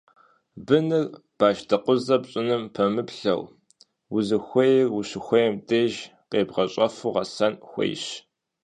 Быныр, башдэкъузэ пщӀыным пэмыплъэу, узыхуейр ущыхуейм деж къебгъэщӀэфу гъэсэн хуейщ.